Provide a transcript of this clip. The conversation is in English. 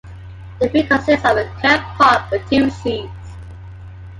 The fruit consists of a curved pod with two seeds.